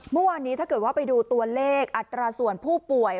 เมื่อวานนี้ถ้าเกิดว่าไปดูตัวเลขอัตราส่วนผู้ป่วย